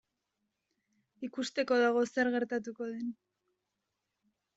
Ikusteko dago zer gertatuko den.